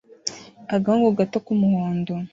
Agahungu gato k'umuhondo